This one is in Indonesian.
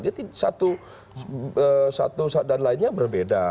jadi satu dan lainnya berbeda